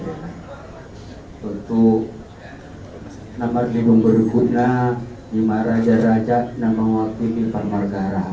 untuk namarlimun berguna lima raja raja nama wakili parmargara